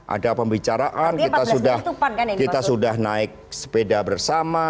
ada pembicaraan kita sudah naik sepeda bersama